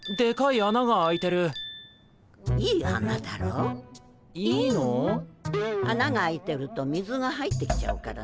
あなが開いてると水が入ってきちゃうからね。